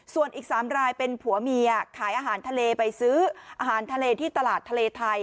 ส่วนอีก๓รายเป็นผัวเมียขายอาหารทะเลไปซื้ออาหารทะเลที่ตลาดทะเลไทย